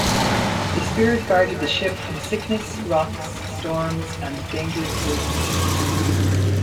The spirit guarded the ship from sickness, rocks, storms, and dangerous winds.